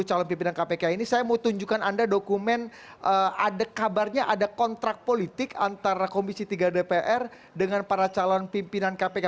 calon pimpinan kpk ini saya mau tunjukkan anda dokumen ada kabarnya ada kontrak politik antara komisi tiga dpr dengan para calon pimpinan kpk